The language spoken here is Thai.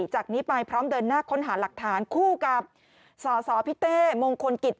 จากนี้ไปพร้อมเดินหน้าค้นหาหลักฐานคู่กับสสพิเต้มงคลกิจ